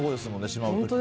しまう時。